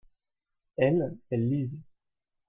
elles, elles lisent.